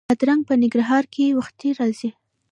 بادرنګ په ننګرهار کې وختي راځي